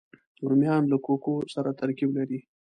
رومیان له کوکو سره ترکیب لري